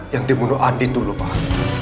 yang dibunuh andi dulu pak